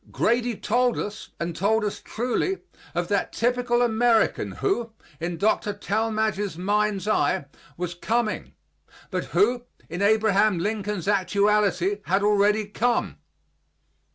Grady told us, and told us truly, of that typical American who, in Dr. Talmage's mind's eye, was coming, but who, in Abraham Lincoln's actuality, had already come.